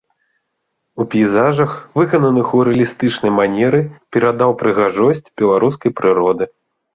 У пейзажах, выкананых у рэалістычнай манеры, перадаў прыгажосць беларускай прыроды.